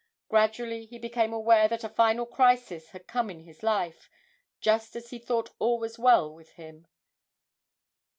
Gradually he became aware that a final crisis had come in his life, just as he thought all was well with him.